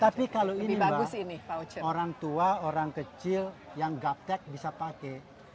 tapi kalau ini bagus orang tua orang kecil yang gaptek bisa pakai